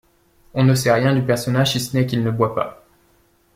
On ne sait rien du personnage si ce n'est qu'il ne boit pas.